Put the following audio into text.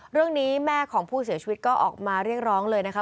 เรื่องนี้แม่ของผู้เสียชีวิตก็ออกมาเรียกร้องเลยนะคะ